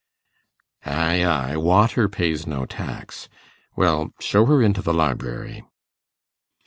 'Ay, ay; water pays no tax. Well, show her into the library.